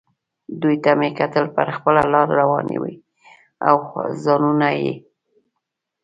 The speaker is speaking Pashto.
دوی ته مې کتل، پر خپله لار روانې وې او ځانونه یې.